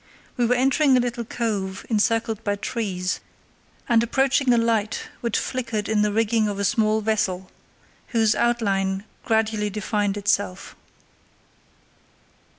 We were entering a little cove encircled by trees, and approaching a light which flickered in the rigging of a small vessel, whose outline gradually defined itself.